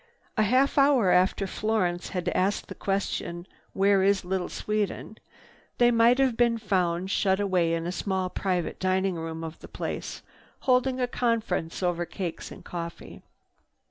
A half hour after Florence had asked the question, "Where is Little Sweden?" they might have been found shut away in a small private dining room of the place, holding a conference over cakes and coffee.